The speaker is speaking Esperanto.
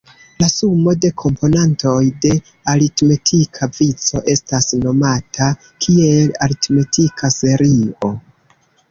La sumo de komponantoj de aritmetika vico estas nomata kiel aritmetika serio.